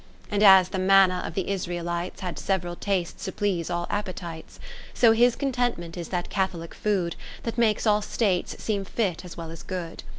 And as the Manna of the Israelites Had several tastes to please all appetites : So his Contentment is that catholic food, That makes all states seem fit as well as good.